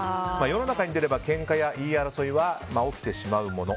世の中に出ればけんかや言い争いは起きてしまうもの。